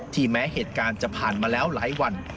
แม้เหตุการณ์จะผ่านมาแล้วหลายวัน